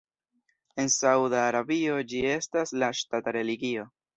En Sauda Arabio ĝi estas la ŝtata religio.